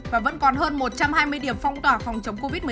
và vẫn còn hơn một trăm hai mươi điểm phong tỏa phòng chống covid một mươi chín